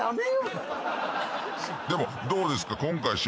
でもどうですか？